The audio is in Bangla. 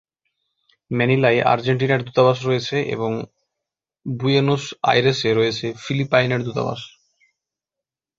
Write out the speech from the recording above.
ম্যানিলায় আর্জেন্টিনার দূতাবাস রয়েছে এবং বুয়েনোস আইরেসে রয়েছে ফিলিপাইনের দূতাবাস।